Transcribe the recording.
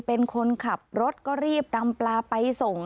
เป็นคนขับรถก็รีบนำปลาไปส่ง